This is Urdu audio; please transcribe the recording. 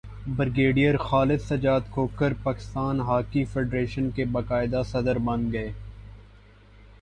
brigadier Khalid Sajjad Khokhar Pakistan hockey federation کے باقاعدہ صدر بن گئے